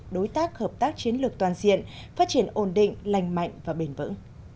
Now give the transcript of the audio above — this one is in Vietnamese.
đối tác hợp tác chiến lược toàn diện phát triển ổn định lành mạnh và bền vững